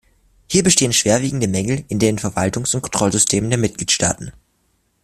Hier bestehen schwerwiegende Mängel in den Verwaltungs- und Kontrollsystemen der Mitgliedstaaten.